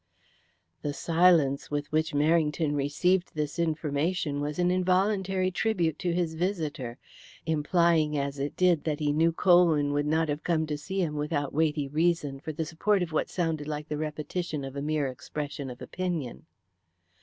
The silence with which Merrington received this information was an involuntary tribute to his visitor, implying, as it did, that he knew Colwyn would not have come to see him without weighty reason for the support of what sounded like the repetition of a mere expression of opinion.